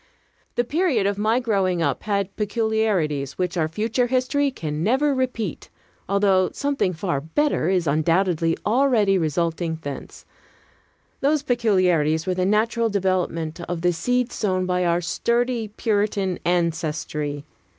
The period of my growing up had peculiarities which our future history can never repeat, although something far better is undoubtedly already resulting thence. Those peculiarities were the natural development of the seed sown by our sturdy Puritan ancestry.